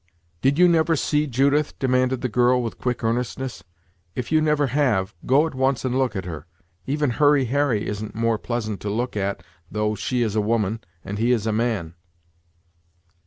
"Did you never see Judith?" demanded the girl, with quick earnestness; "if you never have, go at once and look at her. Even Hurry Harry isn't more pleasant to look at though she is a woman, and he is a man."